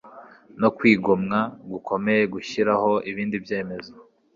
no kwigomwa gukomeye Gushyiraho ibindi byemezo